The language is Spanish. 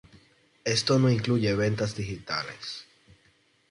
Esto no incluye ventas digitales.